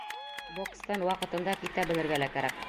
Бокстан ваҡытында китә белергә лә кәрәк.